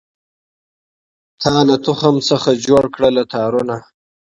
تا له تخم څخه جوړکړله تارونه